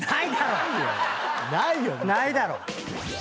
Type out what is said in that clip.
ないだろ！